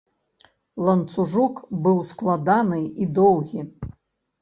Ланцужок быў складаны і доўгі.